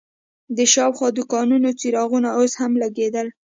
د شاوخوا دوکانونو څراغونه اوس هم لګېدل.